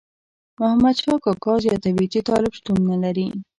محمد شاه کاکا زیاتوي چې طالب شتون نه لري.